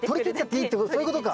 そういうことか。